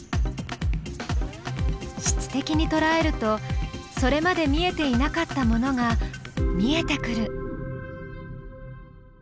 質的にとらえるとそれまで見えていなかったものが見えてくる。